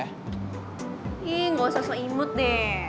ih gak usah so imut deh